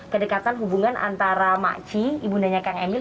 kedekatan hubungan antara makci ibundanya kang emil